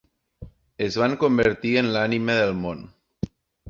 es van convertir en l'ànima del món.